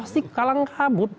ya pasti kalang kabut